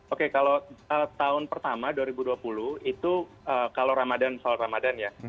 oke kalau tahun pertama dua ribu dua puluh itu kalau ramadan soal ramadan ya